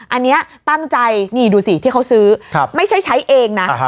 อันนี้ตั้งใจนี่ดูสิที่เขาซื้อไม่ใช่ใช้เองนะ